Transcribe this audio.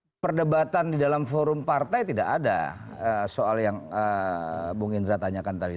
ya perdebatan di dalam forum partai tidak ada soal yang bung indra tanyakan tadi